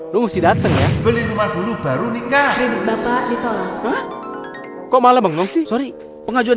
lu sih dateng ya beli rumah dulu baru nikah ini bapak ditolak kok malah mengungsi sorry pengajuan